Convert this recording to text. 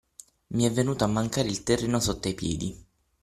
Mi è venuto a mancare il terreno sotto ai piedi.